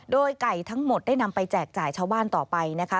โดยไก่ทั้งหมดได้นำไปแจกจ่ายชาวบ้านต่อไปนะคะ